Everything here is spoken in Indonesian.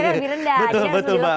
pressure nya lebih rendah